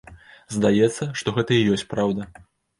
Здаецца, што гэта і ёсць праўда.